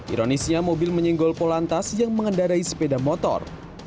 ironisnya mobil menyenggol polantas yang mengendarai sepeda motor